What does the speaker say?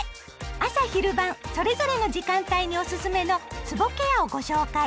朝・昼・晩それぞれの時間帯におすすめのつぼケアをご紹介。